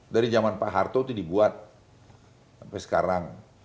dari zaman pak harto itu dibuat sampai sekarang